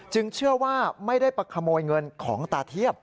เชื่อว่าไม่ได้ไปขโมยเงินของตาเทียบ